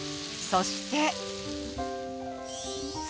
そして。